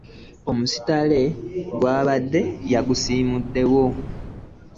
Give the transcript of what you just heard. Omusittale ogwabaddewo yagusiimuddewo.